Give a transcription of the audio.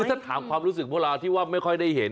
ถ้าถามความรู้สึกพวกเราที่ว่าไม่ค่อยได้เห็น